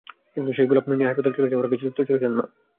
কিন্তু সেই গোলাপ নিয়ে হাসপাতালে যাওয়ার আগেই চিরতরে চলে যান মা।